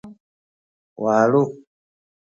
walu